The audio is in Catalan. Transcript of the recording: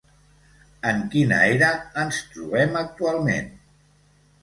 En quina era ens trobem actualment?